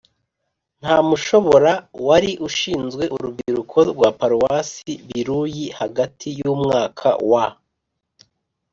ntamushobora, wari ushinzwe urubyiruko rwa paruwasi biruyi hagati y’umwaka wa